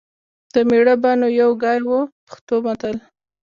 د مېړه به نو یو ګای و . پښتو متل